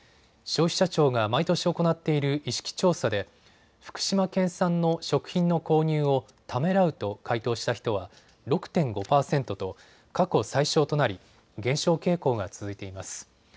消費者庁が毎年行っている意識調査で福島県産の食品の購入をためらうと回答した人は６．５％と過去最少となり減少傾向が続いています。